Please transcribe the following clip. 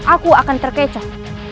aku akan terkecoh